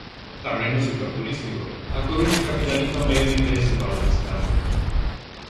Tamén no sector turístico, A Coruña capitaliza un maior interese para os visitantes.